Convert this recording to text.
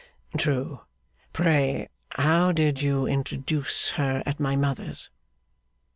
'True. Pray how did you introduce her at my mother's!